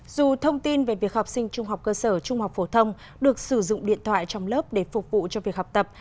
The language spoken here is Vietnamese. dù thông tin về việc học sinh trung học cơ sở trung học phổ thông được sử dụng điện thoại trong lớp để phục vụ cho việc học tập